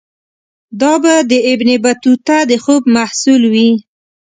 دا به د ابن بطوطه د خوب محصول وي.